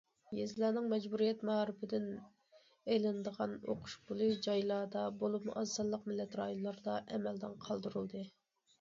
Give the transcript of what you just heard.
يېزىلارنىڭ مەجبۇرىيەت مائارىپىدىن ئېلىنىدىغان ئوقۇش پۇلى جايلاردا، بولۇپمۇ ئاز سانلىق مىللەت رايونلىرىدا ئەمەلدىن قالدۇرۇلدى.